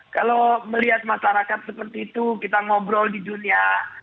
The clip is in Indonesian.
kalau melihat masyarakat seperti itu kita ngobrol di dunia